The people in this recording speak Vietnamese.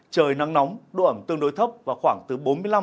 trời nắng nóng độ ẩm tương đối thấp và khoảng từ bốn mươi năm năm mươi